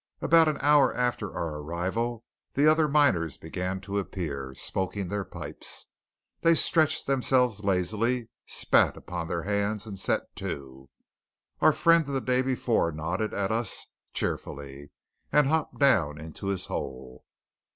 About an hour after our arrival the other miners began to appear, smoking their pipes. They stretched themselves lazily, spat upon their hands, and set to. Our friend of the day before nodded at us cheerfully, and hopped down into his hole.